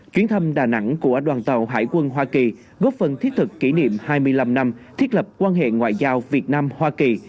chuyến thăm đà nẵng của đoàn tàu hải quân hoa kỳ góp phần thiết thực kỷ niệm hai mươi năm năm thiết lập quan hệ ngoại giao việt nam hoa kỳ